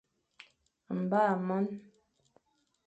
Mba mon.